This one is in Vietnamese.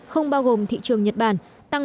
không bao gồm thị trường nhật bản tăng một một